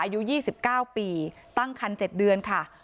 อายุ๒๙ปีตั้งคัน๗เดือนค่ะ